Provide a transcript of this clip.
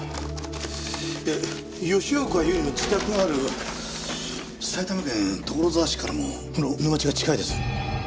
吉岡百合の自宅がある埼玉県所沢市からもこの沼地が近いです。